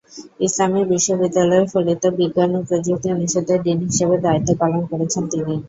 ইসলামী বিশ্ববিদ্যালয়ের ফলিত বিজ্ঞান ও প্রযুক্তি অনুষদের ডীন হিসেবে দায়িত্ব পালন করেছেন তিনি।